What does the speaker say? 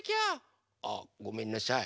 あごめんなさい。